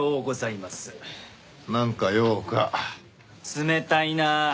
冷たいなあ。